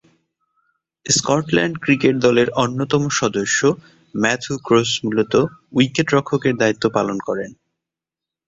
Scotland cricket দলের অন্যতম সদস্য ম্যাথু ক্রস মূলতঃ উইকেট-রক্ষকের দায়িত্ব পালন করেন।